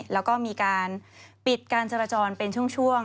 แล้วก็มีการปิดการจราจรเป็นช่วง